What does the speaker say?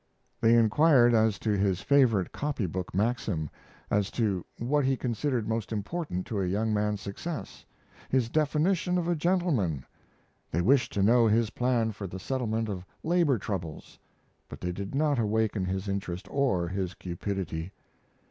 They inquired as to his favorite copy book maxim; as to what he considered most important to a young man's success; his definition of a gentleman. They wished to know his plan for the settlement of labor troubles. But they did not awaken his interest, or his cupidity.